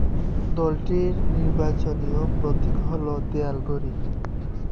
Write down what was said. দলটির নির্বাচনী প্রতীক হল দেওয়াল ঘড়ি।